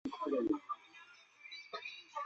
辛部只以右方为部字。